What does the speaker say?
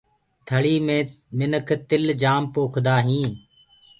ٿݪيٚ مي تل منک تِل جآم پوکدآ هينٚ۔